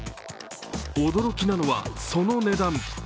驚きなのは、その値段。